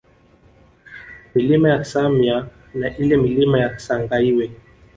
Milima ya Samya na ile Milima ya Sangaiwe